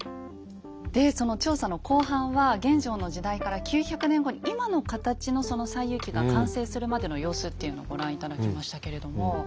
でその調査の後半は玄奘の時代から９００年後に今の形の「西遊記」が完成するまでの様子っていうのをご覧頂きましたけれども。